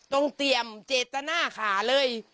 ต้องเตรียมเจตนาขาเลย